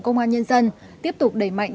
công an nhân dân tiếp tục đẩy mạnh